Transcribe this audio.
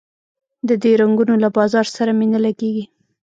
د دې رنګونو له بازار سره مي نه لګیږي